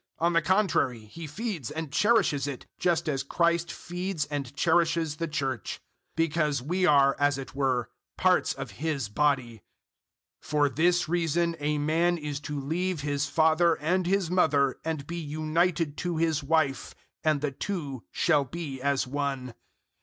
On the contrary he feeds and cherishes it, just as Christ feeds and cherishes the Church; 005:030 because we are, as it were, parts of His Body. 005:031 "For this reason a man is to leave his father and his mother and be united to his wife, and the two shall be as one."